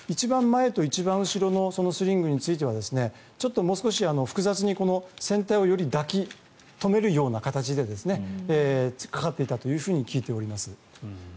前と一番後ろのスリングについてはちょっともう少し複雑に船体をより抱き留めるような形でかかっていたと聞いております。